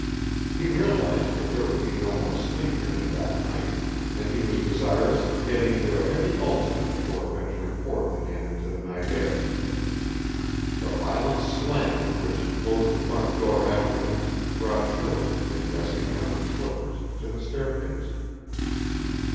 He realized that there would be no more sleep for him that night, and he was desirous of getting into a heavy ulster before venturing forth again into the night air. The violent slam with which he closed the front door after him brought Shirley, in dressing gown and slippers, to the staircase.